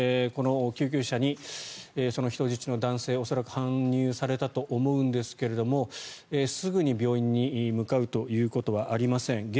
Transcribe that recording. この救急車にその人質の男性が恐らく搬入されたと思うんですけどすぐに病院に向かうということはありません。